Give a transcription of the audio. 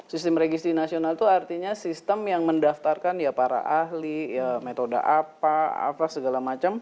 sistem registrasi nasional itu artinya sistem yang mendaftarkan ya para ahli metode apa apa segala macam